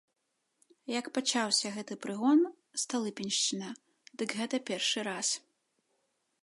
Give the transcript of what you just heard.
Як пачаўся гэты прыгон, сталыпіншчына, дык гэта першы раз.